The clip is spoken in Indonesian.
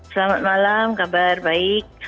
selamat malam kabar baik